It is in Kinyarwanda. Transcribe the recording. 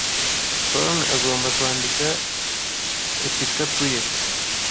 Scorn agomba kwandika epitapu ye.